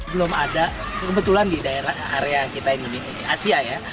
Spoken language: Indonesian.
belum ada kebetulan di daerah area kita ini di asia ya